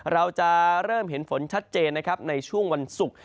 เราจะเริ่มเห็นฝนชัดเจนนะครับในช่วงวันศุกร์